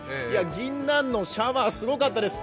ぎんなんのシャワー、すごかったです。